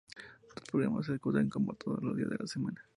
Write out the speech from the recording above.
Dos programas se ejecutan todos los días de la semana.